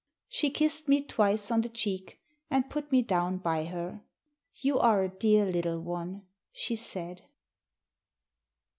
She kissed me twice on the cheek and put me down by her. "You are a dear little one," she said.